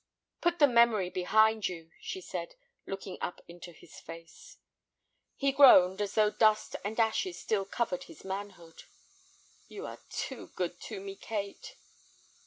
"Put the memory behind you," she said, looking up into his face. He groaned, as though dust and ashes still covered his manhood. "You are too good to me, Kate."